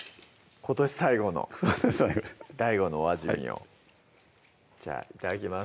今年最後のＤＡＩＧＯのお味見をじゃあいただきます